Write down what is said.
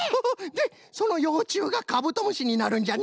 でそのようちゅうがカブトムシになるんじゃね？